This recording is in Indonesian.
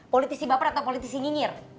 pilih yang ke pinggir